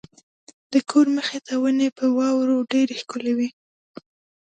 د کور مخې ته ونې په واورو ډېرې ښکلې وې.